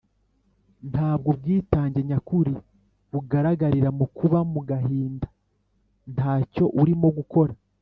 ntabwo ubwitange nyakuri bugaragarira mu kuba mu gahinda ntacyo urimo gukora